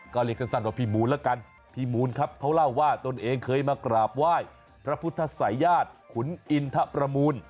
ก็เรียกสั้นว่าพี่มูลละกันพี่มูลครับเขาเล่าว่าตนเองเคยมากราบไหว้พระพุทธศัยญาติขุนอินทะประมูล